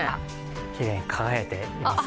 きれいに輝いていますね。